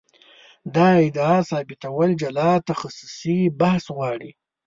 دا ادعا ثابتول جلا تخصصي بحث غواړي.